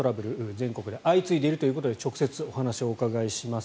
全国で相次いでいるということで直接お話をお伺いします。